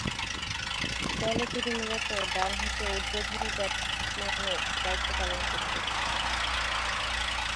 দলে তিনি মূলতঃ ডানহাতে উদ্বোধনী ব্যাটসম্যানের দায়িত্ব পালন করতেন।